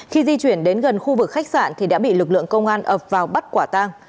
khi di chuyển đến gần khu vực khách sạn thì đã bị lực lượng công an ập vào bắt quả tang